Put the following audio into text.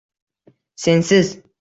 Sensiz.